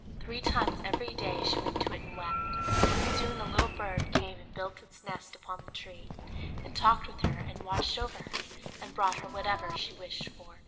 Three times every day she went to it and wept; and soon a little bird came and built its nest upon the tree, and talked with her and watched over her, and brought her whatever she wished for.